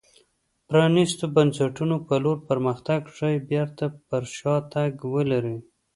پرانېستو بنسټونو په لور پرمختګ ښايي بېرته پر شا تګ ولري.